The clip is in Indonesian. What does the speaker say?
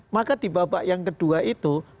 maka di babak yang kedua itu